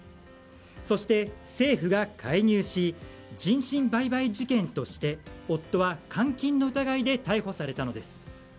そして政府が介入し人身売買事件として夫は監禁の疑いで逮捕されたのです。